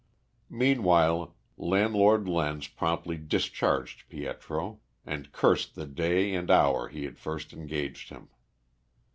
Meanwhile Landlord Lenz promptly discharged Pietro, and cursed the day and hour he had first engaged him.